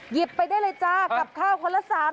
หยิบไปได้เลยจ้ะกลับข้าวคนละ๓อย่าน